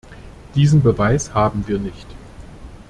Diesen Beweis haben wir nicht.